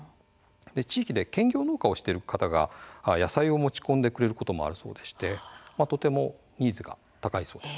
地域で兼業農家をしている方が野菜を持ち込んでくれることもあるそうでしてとてもニーズが高いそうです。